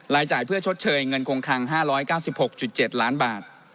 จ่ายเพื่อชดเชยเงินคงคัง๕๙๖๗ล้านบาท